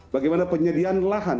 bagaimana penyediaan lahan